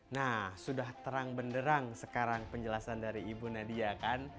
nah sudah terang benderang sekarang penjelasan dari ibu nadia kan